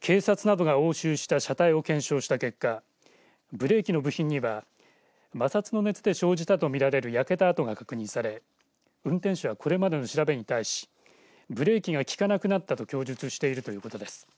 警察などが押収した車体を検証した結果ブレーキの部品には摩擦の熱で生じたと見られる焼けた跡が確認され運転手はこれまでの調べに対しブレーキが利かなくなったと供述しているということです。